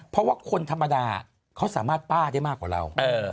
เพราะว่าคนธรรมดาเขาสามารถป้าได้มากกว่าเรา